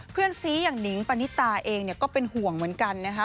เพื่อนซีอย่างนิงปณิตาเองก็เป็นห่วงเหมือนกันนะคะ